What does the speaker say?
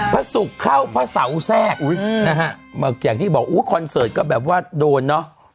พระศุกร์เข้าพระเสาแทรกนะฮะอย่างที่บอกอุ้ยคอนเสิร์ตก็แบบว่าโดนเนอะ